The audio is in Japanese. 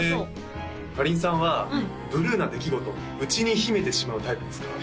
かりんさんはブルーな出来事内に秘めてしまうタイプですか？